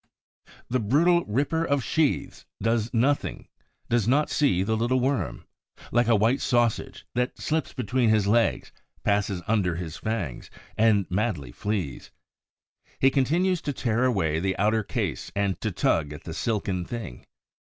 The brutal ripper of sheaths does not see the little worm, like a white sausage, that slips between his legs, passes under his fangs, and madly flees. He continues to tear away the outer case and to tug at the silken lining.